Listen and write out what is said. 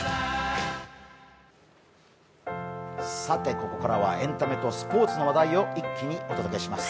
ここからはエンタメとスポーツの話題を一気にお届けします。